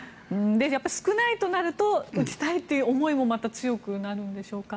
少ないとなると打ちたいという思いもまた強くなるんでしょうか。